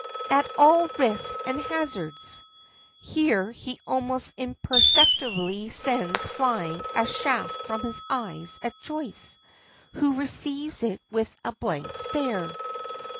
At all risks and hazards!" here he almost imperceptibly sends flying a shaft from his eyes at Joyce, who receives it with a blank stare.